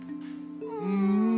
うん。